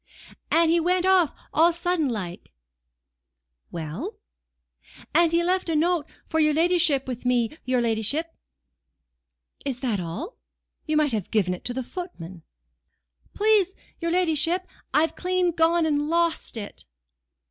"And he went off all on a sudden like." "Well?" "And he left a note for your ladyship with me, your ladyship." "Is that all? You might have given it to the footman." "Please your ladyship, I've clean gone and lost it."